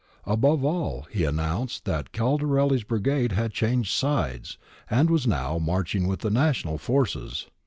Above all, he announced that Caldarelli's brigade had changed sides and was now marching with the national forces.